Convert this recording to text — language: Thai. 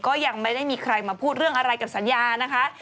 ก็ยังไม่ได้มีใครมาพูดเรื่องอะไรกับสัญญานะคะ